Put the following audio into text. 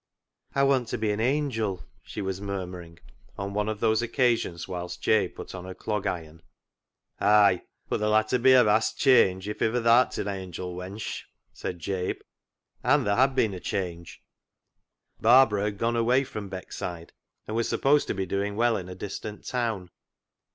" I want to be an angel," she was murmuring on one of these occasions whilst Jabe put on her clog iron. " Ay, but ther'll ha' to be a vast change if iver th'art an angel, wench," said Jabe. And there had been a change. Barbara had gone away from Beckside, and was supposed to be doing well in a distant town.